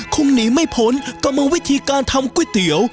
คงหนีไม่พ้นก็มีวิธีการทำก๋วยเตี๋ยว